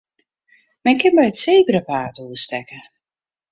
Men kin by it sebrapaad oerstekke.